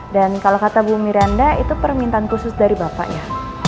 dan kalau kata bu miranda itu permintaan khusus dari bapaknya